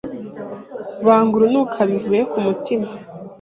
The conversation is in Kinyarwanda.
Banga urunuka bivuye kumutima.